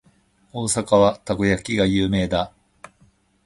大阪はたこ焼きが有名だ。